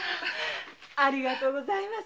ありがとうございます。